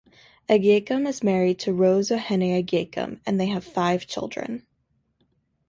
Agyekum is married to Rose Ohene Agyekum and they have five children.